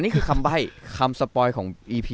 คือมัน